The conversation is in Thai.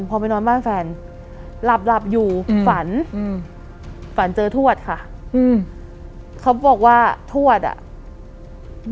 พอไปนอนบ้านแฟนหลับหลับอยู่ฝันอืมฝันเจอทวดค่ะอืมเขาบอกว่าทวดอ่ะ